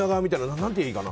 何ていうのかな。